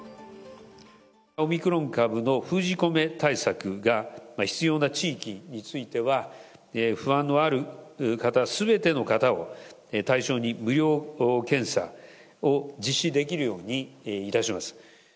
オミクロン株の封じ込め対策が必要な地域については、不安のある方すべての方を対象に無料検査を実施できるようにいたします。